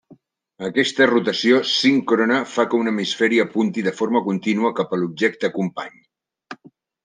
Aquesta rotació síncrona fa que un hemisferi apunti de forma contínua cap a l'objecte company.